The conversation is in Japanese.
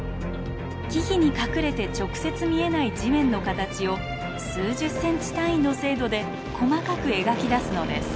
木々に隠れて直接見えない地面の形を数十センチ単位の精度で細かく描き出すのです。